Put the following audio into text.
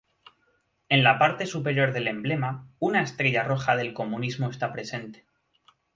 En la parte superior del emblema, una estrella roja del comunismo está presente.